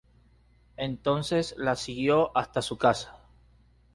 Entonces la siguió hasta su casa.